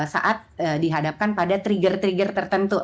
saat dihadapkan pada trigger trigger tertentu